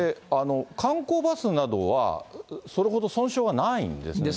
観光バスなどは、それほど損傷はないんですね。